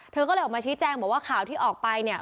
เธอก็เลยออกมาชี้แจงบอกว่าข่าวที่ออกไปเนี่ย